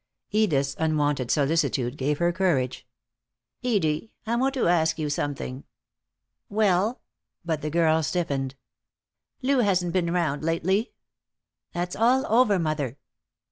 Edith's unwonted solicitude gave her courage. "Edie, I want to ask you something." "Well?" But the girl stiffened. "Lou hasn't been round, lately." "That's all over, mother."